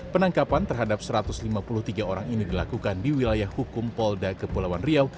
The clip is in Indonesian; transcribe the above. penangkapan terhadap satu ratus lima puluh tiga orang ini dilakukan di wilayah hukum polda kepulauan riau